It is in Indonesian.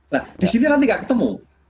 nah di sini nanti gak ketemu